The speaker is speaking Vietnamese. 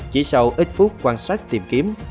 chỉ sau ít phút quan sát tìm kiếm